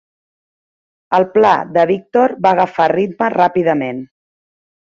El pla de Victor va agafar ritme ràpidament.